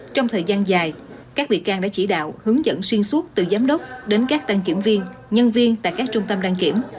trong thời gian dài các bị can đã chỉ đạo hướng dẫn xuyên suốt từ giám đốc đến các đăng kiểm viên nhân viên tại các trung tâm đăng kiểm